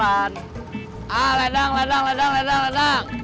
ledang ledang ledang ledang ledang